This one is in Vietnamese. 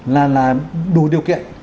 là đủ điều kiện